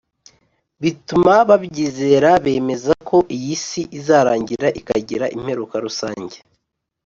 bituma babyizera bemeza ko iy’isi izarangira ikagira imperuka rusange